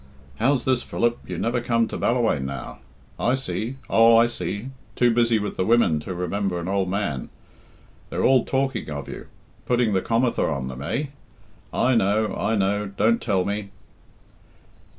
"How's this, Philip? You never come to Ballawhaine now. I see! Oh, I see! Too busy with the women to remember an old man. They're all talking of you. Putting the comather on them, eh? I know, I know; don't tell me."